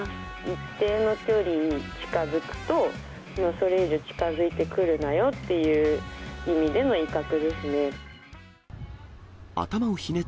一定の距離近づくと、それ以上近づいてくるなよっていう意味での威嚇ですね。